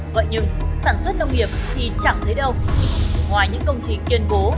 vậy nhưng sản xuất nông nghiệp thì chẳng thấy đâu ngoài những công trình tuyên bố